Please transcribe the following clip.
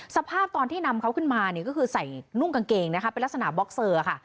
สภาพตอนที่นำเขาขึ้นมาเนี่ยก็คือใส่นุ่งกางเกงนะคะเป็นลักษณะบ็อกเซอร์ค่ะ